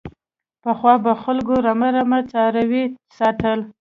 پخوا به خلکو رمه رمه څاروي ساتل.